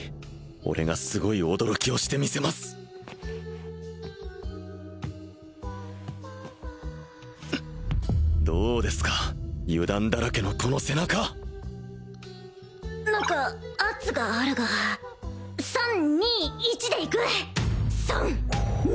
俺がすごい驚きをしてみせますどうですか油断だらけのこの背中何か圧があるが３２１でいく！